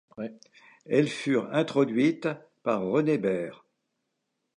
Elles furent introduites par René Baire.